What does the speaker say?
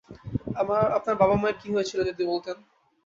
আপনার বাবা-মায়ের কি হয়েছিল যদি বলতেন?